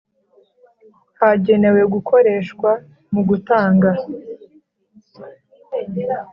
Hagenewe gukoreshwa mu gutanga